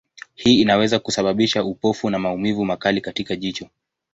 Hii inaweza kusababisha upofu na maumivu makali katika jicho.